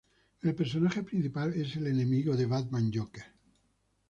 El personaje principal es el enemigo de Batman Joker.